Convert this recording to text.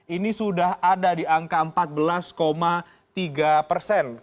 ini sudah ada di angka empat belas tiga persen